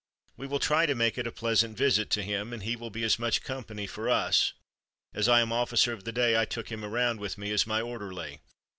We will try to make it a pleasant visit to him, and he will be much company for us. As I am 'officer of the day,' I took him around with me as my 'orderly'!